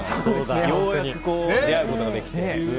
ようやく出会うことができて。